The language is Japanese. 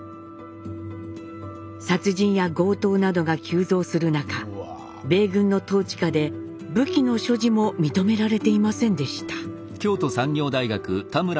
殺人や強盗などが急増する中米軍の統治下で武器の所持も認められていませんでした。